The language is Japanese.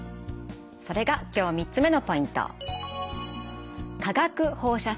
それが今日３つ目のポイント。